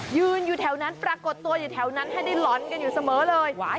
ยืนอยู่แถวนั้นปรากฏตัวอยู่แถวนั้นให้ได้หลอนกันอยู่เสมอเลย